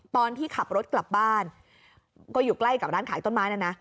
ตอนที่ขับรถกลับบ้านก็อยู่ใกล้กับร้านขายต้นไม้นะนะ